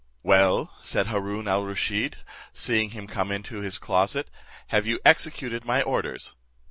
"Well," said Haroon al Rusheed, seeing him come into his closet, "have you executed my orders?"